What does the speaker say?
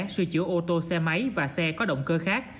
sửa chữa ô tô xe máy và xe có động cơ khác